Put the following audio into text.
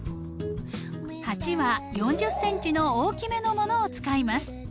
鉢は４０ｃｍの大きめのものを使います。